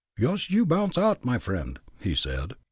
"Yoost you bounce oud, mine friend," he said.